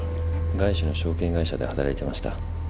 外資の証券会社で働いてました。